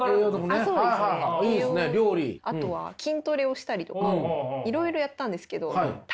あとは筋トレをしたりとかいろいろやったんですけどハハハハハ！